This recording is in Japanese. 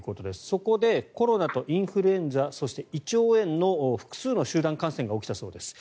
そこで、コロナとインフルエンザそして胃腸炎の複数の集団感染が起きたそうです。